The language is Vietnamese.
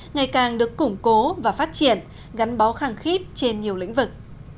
ngày càng được củng cố và phát triển gắn bó khẳng khí trên nhiều lĩnh vực